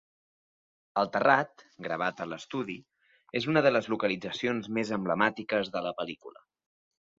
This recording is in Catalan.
El terrat, gravat a l'estudi, és una de les localitzacions més emblemàtiques de la pel·lícula.